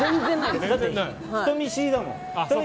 人見知りだもん。